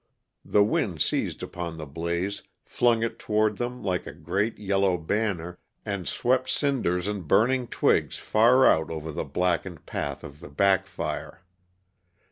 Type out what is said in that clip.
The wind seized upon the blaze, flung it toward them like a great, yellow banner, and swept cinders and burning twigs far out over the blackened path of the back fire.